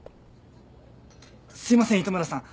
すいません糸村さん